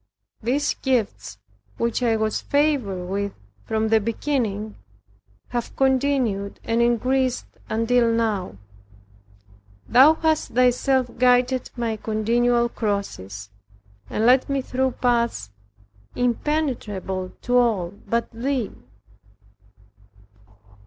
These gifts which I was favored with from the beginning, have continued and increased until now Thou hast Thyself guided my continual crosses, and led me through paths impenetrable to all but thee.